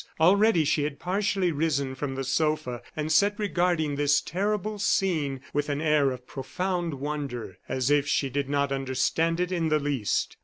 Already she had partially risen from the sofa, and sat regarding this terrible scene with an air of profound wonder, as if she did not understand it in the least.